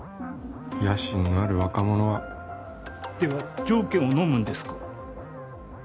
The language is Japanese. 野心のある若者はでは条件をのむんですか？